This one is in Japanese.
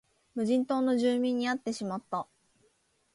無人島の住民に会ってしまった